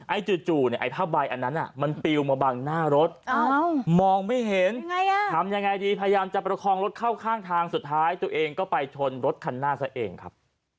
จู่เนี่ยไอ้ผ้าใบอันนั้นมันปิวมาบังหน้ารถมองไม่เห็นทำยังไงดีพยายามจะประคองรถเข้าข้างทางสุดท้ายตัวเองก็ไปชนรถคันหน้าซะเองครับ